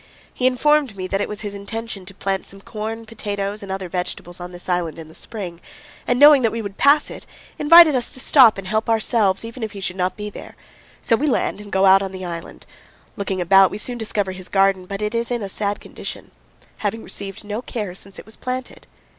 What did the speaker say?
He informed me that it was his intention to plant some corn, potatoes, and other vegetables on this island in the spring, and, knowing that we would pass it, invited us to stop and help ourselves, even if he should not be there; so we land and go out on the island. Looking about, we soon discover his garden, but it is in a sad condition, having received no care since it was planted.